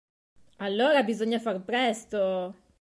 Allora bisogna far presto.